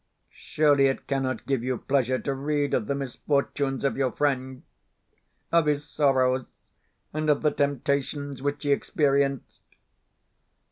Surely it cannot give you pleasure to read of the misfortunes of your friend of his sorrows, and of the temptations which he experienced?...